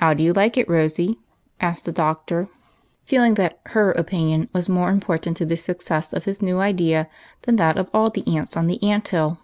"How do you like it, Rosy?" asked the Doctor, feel ing that her opinion was more important to the success of his new idea than that of all the aunts on the hill.